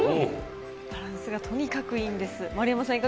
バランスがとにかくいいんです。